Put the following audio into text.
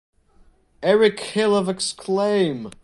Eric Hill of Exclaim!